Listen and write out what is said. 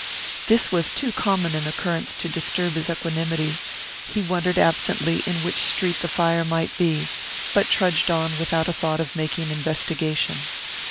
This was too common an occurrence to disturb his equanimity; he wondered absently in which street the fire might be, but trudged on without a thought of making investigation.